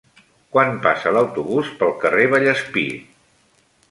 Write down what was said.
Quan passa l'autobús pel carrer Vallespir?